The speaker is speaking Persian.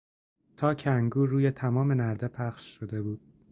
تاک انگور روی تمام نرده پخش شده بود.